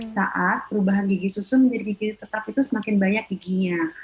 saat perubahan gigi susu menjadi gigi tetap itu semakin banyak giginya